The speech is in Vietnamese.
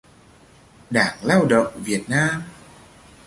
Đảng Lao động Việt Nam